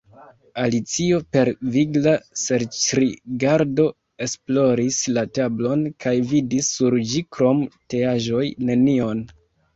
Alicio per vigla serĉrigardo esploris la tablon, kaj vidis sur ĝi krom teaĵoj nenion.